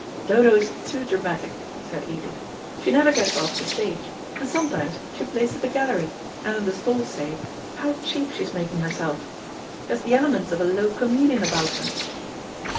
"Dodo is too dramatic," said Edith. "She never gets off the stage; and sometimes she plays to the gallery, and then the stalls say, 'How cheap she's making herself.' She has the elements of a low comedian about her."